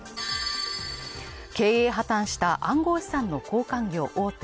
経営破綻した暗号資産の交換業大手